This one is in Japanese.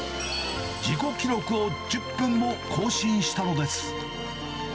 自己記録を１０分も更新したのです。